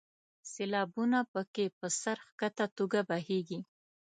سیلابونه په کې په سر ښکته توګه بهیږي.